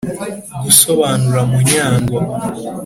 gusobanura munyango